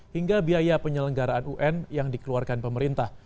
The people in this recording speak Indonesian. hingga biaya penyelenggaraan un yang dikeluarkan pemerintah